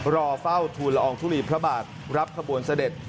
รอเฝ้าทูลละอองทุลีพระบาทรับขบวนเสด็จ